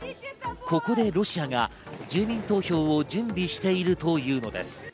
ここでロシアが住民投票を準備しているというのです。